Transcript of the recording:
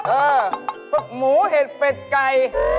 เออหมูเห็ดเป็ดไก่